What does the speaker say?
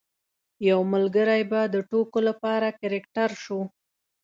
یو ملګری به د ټوکو لپاره کرکټر شو.